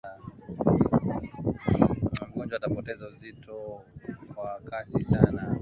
mgonjwa atapoteza uzito kwa kasi sana